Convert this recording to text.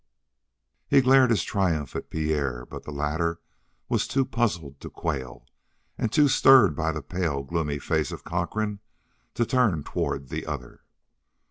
He glared his triumph at Pierre, but the latter was too puzzled to quail, and too stirred by the pale, gloomy face of Cochrane to turn toward the other.